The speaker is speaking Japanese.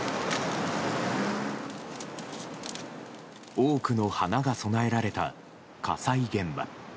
多くの花が供えられた火災現場。